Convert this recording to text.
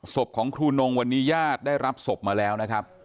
ศพของครูนงวันนี้ญาติได้รับศพมาแล้วนะครับ